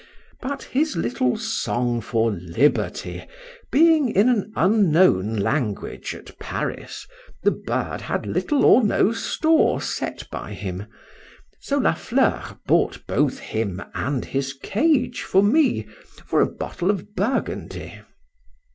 But his little song for liberty being in an unknown language at Paris, the bird had little or no store set by him: so La Fleur bought both him and his cage for me for a bottle of Burgundy.